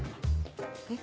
えっ？